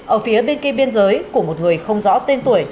ở phía bên kia biên giới của một người không rõ tên tuổi